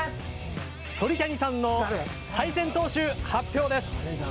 鳥谷さんの対戦投手発表です。